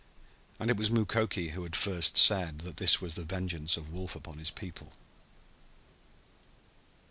And it was Mukoki who had first said that this was the vengeance of Wolf upon his people.